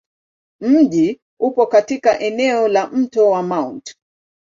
Mji upo katika eneo la Mto wa Mt.